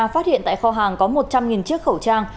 phát hiện tại kho hàng có một trăm linh chiếc khẩu trang